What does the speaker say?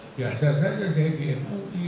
biasa saja saya di emosi